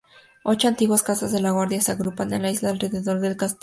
Ocho antiguas casas de guardia se agrupan en la isla alrededor del castillo.